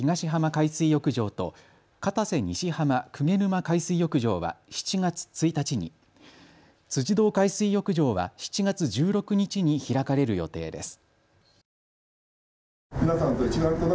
海水浴場と、片瀬西浜・鵠沼海水浴場は７月１日に、辻堂海水浴場は７月１６日に開かれる予定です。